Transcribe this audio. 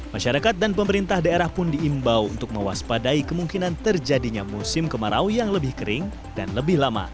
masyarakat dan pemerintah daerah pun diimbau untuk mewaspadai kemungkinan terjadinya musim kemarau yang lebih kering dan lebih lama